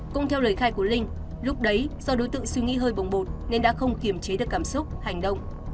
cũng theo lời khai của linh lúc đấy do đối tượng suy nghĩ hơi bồng bột nên đã không kiềm chế được cảm xúc hành động